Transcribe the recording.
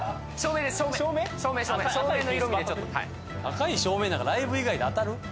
赤い照明なんかライブ以外で当たる？